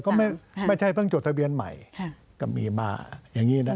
ก็ไม่ใช่เพิ่งจดทะเบียนใหม่ก็มีมาอย่างนี้นะ